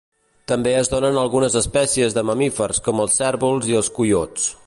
També es donen algunes espècies de mamífers com els cérvols i els coiots.